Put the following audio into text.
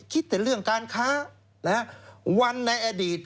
คิดแต่เรื่องการค้าวันในอดีต